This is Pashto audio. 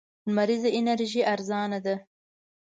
لمريزه انرژي ارزانه ده.